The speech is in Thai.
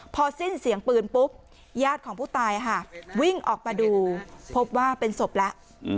พอสิ้นเสียงปืนปุ๊บญาติของผู้ตายวิ่งออกมาดูพบว่าเป็นศพแล้ว